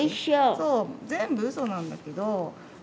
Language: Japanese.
そう全部うそなんだけどう